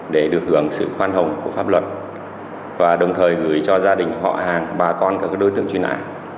để được hưởng sự khoan hồng của pháp luật và đồng thời gửi cho gia đình họ hàng bà con các đối tượng truy nã